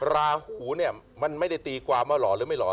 ราหูเนี่ยมันไม่ได้ตีความว่าหล่อหรือไม่หล่อ